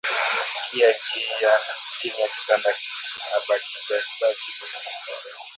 Kya chini ya kitanda abakibebaki bwima